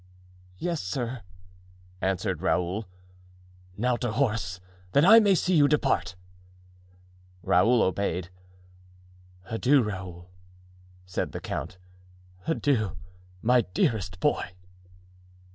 "Yes, sir," answered Raoul. "Now to horse, that I may see you depart!" Raoul obeyed. "Adieu, Raoul," said the count; "adieu, my dearest boy!"